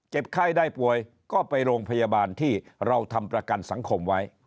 ไข้ได้ป่วยก็ไปโรงพยาบาลที่เราทำประกันสังคมไว้